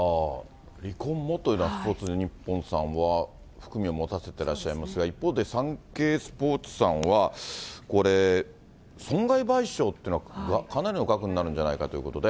離婚もというのは、スポーツニッポンさんは含みを持たせてらっしゃいますが、一方でサンケイスポーツさんは、これ、損害賠償ってのはかなりの額になるんじゃないかということで。